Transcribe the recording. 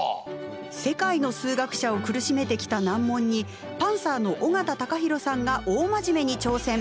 世界の数学者を苦しめてきた難問にパンサーの尾形貴弘さんが大真面目に挑戦！